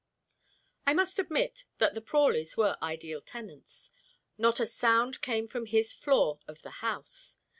I must admit that the Prawleys were ideal tenants. Not a sound came from his floor of the house.